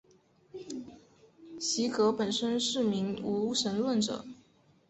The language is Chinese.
席格本身是名无神论者。